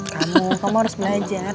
kamu kamu harus belajar